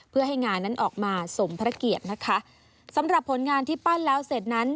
เพื่อให้งานนั้นออกมาสมพระเกียรตินะคะสำหรับผลงานที่ปั้นแล้วเสร็จนั้น